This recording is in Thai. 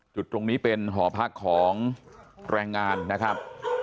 จุดตรงนี้เป็นหอพักของแรงงานนะครับ